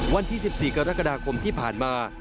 วันที่๑๔กรกฎาคมที่ผ่านมา